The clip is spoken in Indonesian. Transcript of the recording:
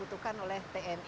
cukup bagus masih ini